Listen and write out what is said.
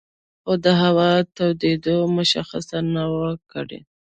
خو د هوا تودېدو مشخصه نه وه کړې